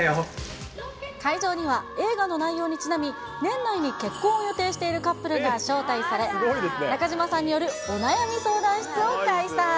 会場には、映画の内容にちなみ、年内に結婚を予定しているカップルが招待され、中島さんによるお悩み相談室を開催。